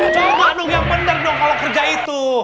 coba dong yang bener dong kalau kerja itu